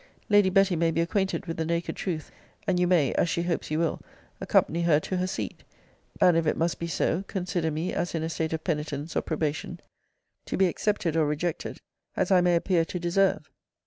Lady Betty may be acquainted with the naked truth; and you may, (as she hopes you will,) accompany her to her seat; and, if it must be so, consider me as in a state of penitence or probation, to be accepted or rejected, as I may appear to deserve.